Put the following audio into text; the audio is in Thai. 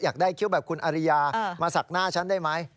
อยากได้คิ้วแบบคุณอริยามาสักหน้าฉันได้ไหม